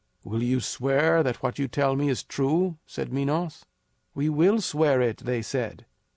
"Will you swear that what you tell me is true?" said Minos. "We will swear it," they said.